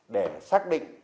để xác định